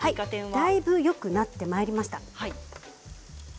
だいぶよくなってきました。